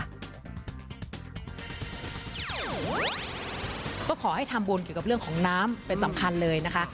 ก็ขอให้ทำบุญเกี่ยวกับเรื่องของน้ำเป็นสำคัญเลยนะคะ